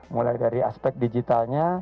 mulai dari aspek digital